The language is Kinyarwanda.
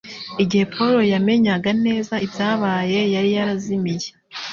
Igihe Paul yamenyaga neza ibyabaye, yari yarazimiye.